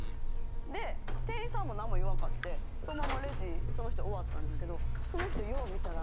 で店員さんも何も言わんかってそのままレジその人終わったんですけどその人よう見たら。